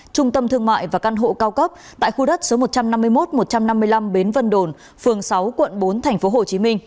trung tâm thương mại và căn hộ cao cấp tại khu đất số một trăm năm mươi một một trăm năm mươi năm bến vân đồn phường sáu quận bốn tp hcm